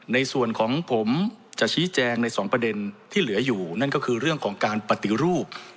ในส่วนของผมจะชี้แจงในสองประเด็นที่เหลืออยู่นั่นก็คือเรื่องของการปฏิรูป